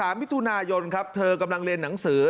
มิถุนายนครับเธอกำลังเรียนหนังสือ